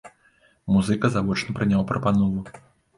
Музыка завочна прыняў прапанову.